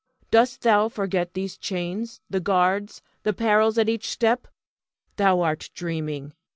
Dost thou forget these chains, the guards, the perils at each step? Thou art dreaming!